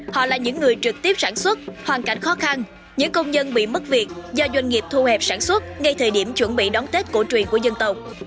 họ là những người trực tiếp sản xuất hoàn cảnh khó khăn những công nhân bị mất việc do doanh nghiệp thu hẹp sản xuất ngay thời điểm chuẩn bị đón tết cổ truyền của dân tộc